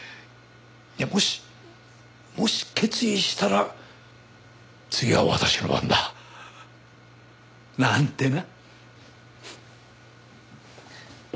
もしもし決意したら次は私の番だ。なんてな。